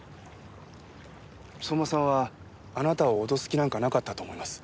相馬さんはあなたを脅す気なんかなかったと思います。